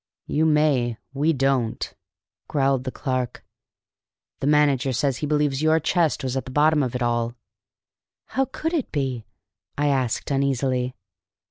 "You may; we don't," growled the clerk. "The manager says he believes your chest was at the bottom of it all." "How could it be?" I asked uneasily.